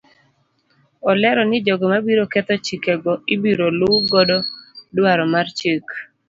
Olero ni jogo mabiro ketho chike go ibiro luu godo dwaro mar chik.